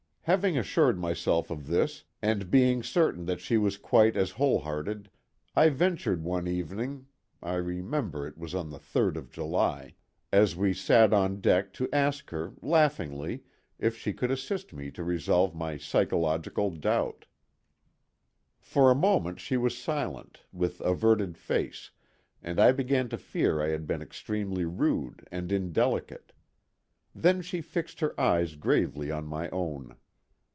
Having assured myself of this and being certain that she was quite as whole hearted, I ventured one evening (I remember it was on the 3d of July) as we sat on deck to ask her, laughingly, if she could assist me to resolve my psychological doubt. For a moment she was silent, with averted face, and I began to fear I had been extremely rude and indelicate; then she fixed her eyes gravely on my own.